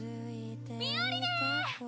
ミオリネ！